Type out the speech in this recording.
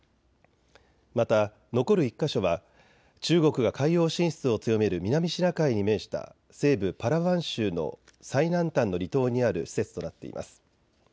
また残る１か所は中国が海洋進出を強める南シナ海に面した西部パラワン州の最南端の離島にある施設となっています。